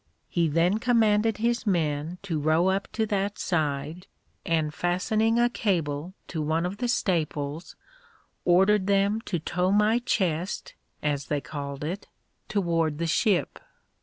He then commanded his men to row up to that side, and fastening a cable to one of the staples, ordered them to tow my chest, as they called it, toward the ship.